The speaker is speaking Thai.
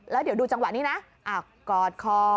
แล้วเดี๋ยวดูจังหวะนี้นะกอดคอ